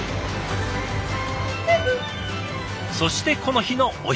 そしてこの日のお昼。